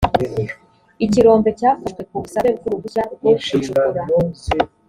ikirombe cyafashwe ku busabe bw uruhushya rwo gucukura